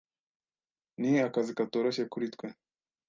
Ni akazi katoroshye kuri twe.